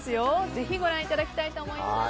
ぜひ、ご覧いただきたいと思います。